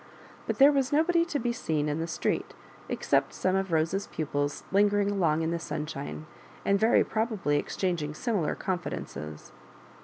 But there was nobody to be seen in the street, except some of Boee's pupils linger mg along in the sunshme, and very probably ex changing similar confidences.